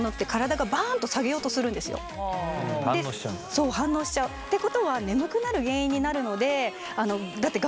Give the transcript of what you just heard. そう反応しちゃう。ってことは眠くなる原因になるのであのだって学生の皆さん